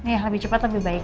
ya lebih cepat lebih baik